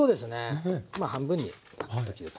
まあ半分にザクッと切る感じ。